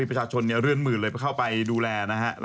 ประชาชนเลื่อนหมื่นเลยเข้าไปดูแลนะฮะ